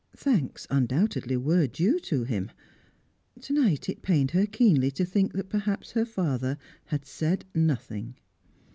Thanks, undoubtedly, were due to him. To night it pained her keenly to think that perhaps her father had said nothing.